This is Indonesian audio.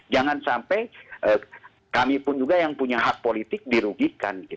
jangan sampai kami pun juga yang punya hak politik dirugikan